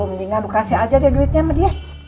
mendingan lu kasih aja deh duitnya sama dia